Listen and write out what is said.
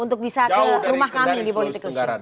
untuk bisa ke rumah kami di politik kusum